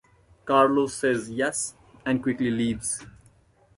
Carlos says "yes" and quickly leaves.